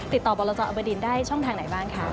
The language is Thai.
ติดต่อบรจอับดินได้ช่องทางไหนบ้างคะ